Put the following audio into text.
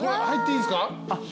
入っていいですか？